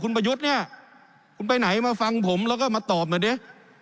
คุณประยุทธ์เนี่ยคุณไปไหนมาฟังผมแล้วก็มาตอบหน่อยดิ